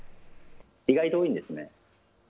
意外と多いんですね。